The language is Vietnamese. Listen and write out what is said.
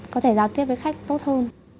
có thể giao tiếp với khách mà mình biết cách xử lý hơn